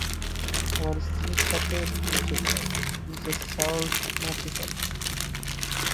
আমার স্ত্রীয়ের সাথে পরিচয় করাই, মিসেস শার্লট মার্চিসন।